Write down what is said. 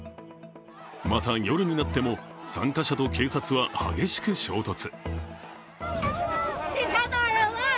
また、夜になっても参加者と警察は激しく衝突。